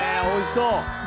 おいしそう。